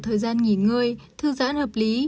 thời gian nghỉ ngơi thư giãn hợp lý